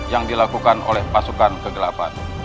yang dilakukan oleh pasukan kegelapan